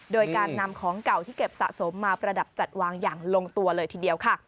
โดยการนำของเก่าที่เก็บสะสมมาประดับจัดวางอย่างลงตัวเลยทีเดียวค่ะ